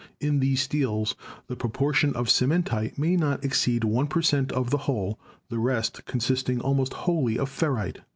In these steels the proportion of cementite may not exceed 1 per cent, of the whole, the rest consisting almost wholly of ferrite.